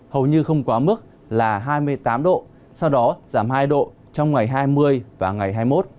hầu như không quá mức là hai mươi tám độ sau đó giảm hai độ trong ngày hai mươi và ngày hai mươi một